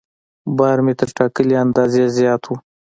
بار مې تر ټاکلي اندازې زیات و.